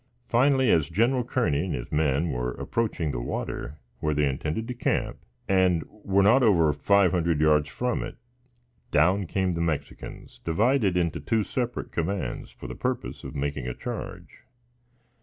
Finally, as Gen. Kearney and his men were approaching the water, where they, intended to camp, and were not over five hundred yards from it, down came the Mexicans, divided into two separate commands, for the purpose of making a charge.